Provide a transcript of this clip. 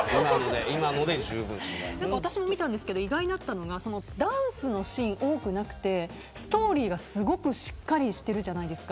私も見たんですけど意外だったのがダンスのシーン多くなくてストーリーがすごくしっかりしてるじゃないですか。